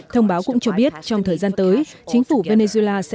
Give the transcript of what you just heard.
thông báo cũng cho biết trong thời gian tới chính phủ venezuela sẽ đấu truyền